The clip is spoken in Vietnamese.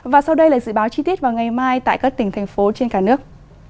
và sau đây là dự báo chi tiết vào ngày mai tại các tỉnh thành phố trên cả nước